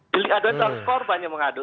delik aduan itu harus korban yang mengadu